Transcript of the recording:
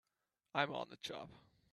I'm on the job!